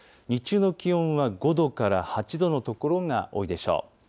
日中の気温は５度から８度の所が多いでしょう。